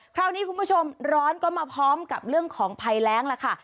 คราวนี้คุณผู้ชมร้อนก็มาพร้อมกับเรื่องของภัยแรงล่ะค่ะ